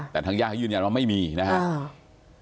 แต่ทางญาติเขายืนยันว่าไม่มีนะครับ